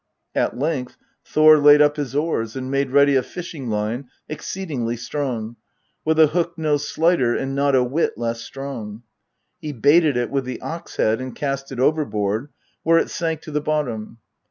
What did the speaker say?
At length Thor laid up his oars, and made ready a fishing line exceedingly strong, with a hook no slighter and not a whit less strong. He baited it with the ox head and cast it overboard, where it sank to the bottom.